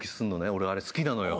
俺あれ好きなのよ。